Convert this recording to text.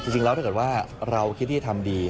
จริงแล้วถ้าเกิดว่าเราคิดที่จะทำดี